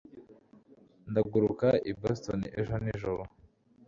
Ndaguruka i Boston ejo nijoro.